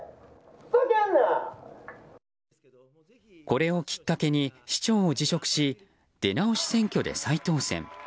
これをきっかけに市長を辞職し出直し選挙で再当選。